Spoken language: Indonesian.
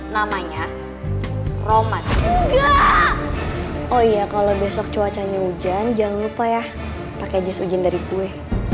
namanya roman enggak oh iya kalau besok cuacanya hujan jangan lupa ya pakai jas ujian dari gue